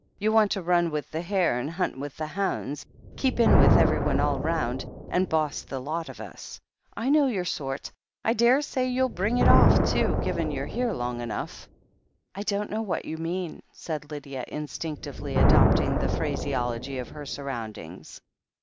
"You want to run with the hare and hunt with' the hounds — ^keep in with everyone all round, and boss the lot of us. I know your sort. I daresay you'll bring it off, too, given you're here long enough." "I don't know what you mean," said Lydia, instinc tively adopting the phraseology of her surroundings.